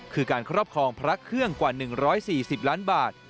คือการครอบครองพระเครื่องกว่า๑๔๐ล้านบาท